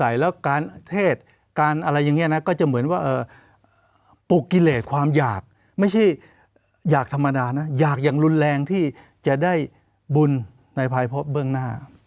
อย่างธรรมดาไหนอยากอย่างรุนแรงที่จะได้บุญในพายพบเบื้องหน้า